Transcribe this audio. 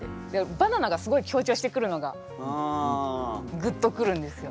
バナナがすごい強調してくるのがグッと来るんですよ。